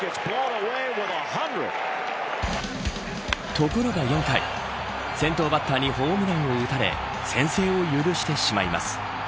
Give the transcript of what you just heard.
ところが４回、先頭バッターにホームランを打たれ先制を許してしまいます。